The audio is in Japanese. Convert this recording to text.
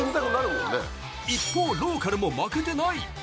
一方、ローカルも負けてない。